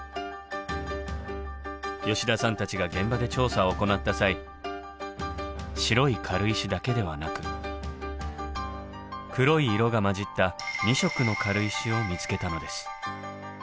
吉田さんたちが現場で調査を行った際白い軽石だけではなく黒い色が混じった２色の軽石を見つけたのです。